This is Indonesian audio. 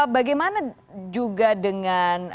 bagaimana juga dengan